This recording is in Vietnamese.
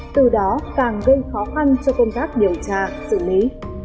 từ đó càng gây khó khăn cho công tác điều tra xử lý